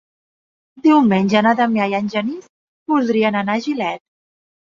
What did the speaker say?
Diumenge na Damià i en Genís voldrien anar a Gilet.